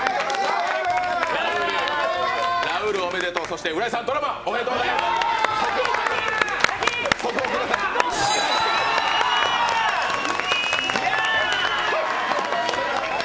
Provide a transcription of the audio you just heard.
ラウールおめでとう、そして浦井さんドラマ、おめでとうございます！やぁ！